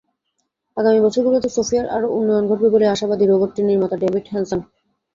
আগামী বছরগুলোতে সোফিয়ার আরও উন্নয়ন ঘটবে বলেই আশাবাদী রোবটটির নির্মাতা ডেভিড হ্যানসন।